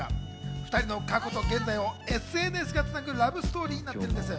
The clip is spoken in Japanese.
２人の過去と現在をＳＮＳがつなぐラブストーリーになってます。